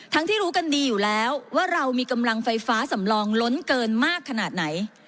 ที่รู้กันดีอยู่แล้วว่าเรามีกำลังไฟฟ้าสำรองล้นเกินมากขนาดไหน